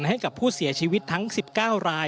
ให้กับผู้เสียชีวิตทั้งสิบเก้าราย